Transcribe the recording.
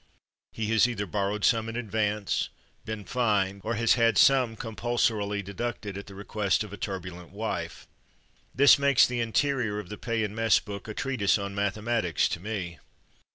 He has either borrowed some in advance, been fined, or has had some com pulsorily deducted at the request of a tur bulent wife. This makes the interior of the pay and mess book a treatise on mathematics to me.